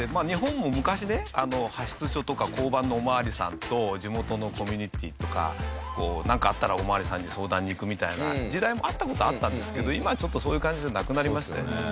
日本も昔ね派出所とか交番のお巡りさんと地元のコミュニティーとかなんかあったらお巡りさんに相談に行くみたいな時代もあった事はあったんですけど今はちょっとそういう感じじゃなくなりましたよね。